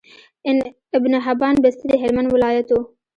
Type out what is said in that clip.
ابن حبان بستي د هلمند ولايت وو